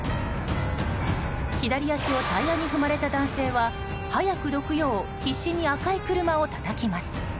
左足をタイヤに踏まれた男性は早くどくよう必死に赤い車をたたきます。